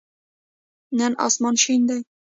نن آسمان شین دی